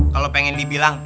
kalo pengen dibilang